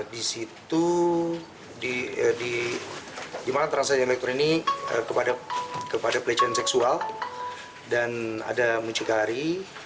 di situ di mana transaksi elektronik ini kepada pelecehan seksual dan ada mucikari